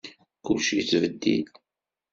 Kullec yettbeddil.